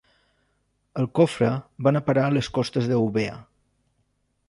El cofre va anar a parar a les costes d'Eubea.